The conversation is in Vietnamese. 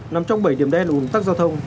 nằm trong bảy điểm đen un tắc giao thông